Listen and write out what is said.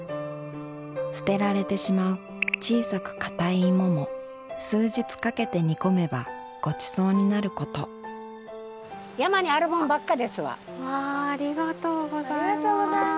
捨てられてしまう小さく硬い芋も数日かけて煮込めばご馳走になることうわありがとうございます。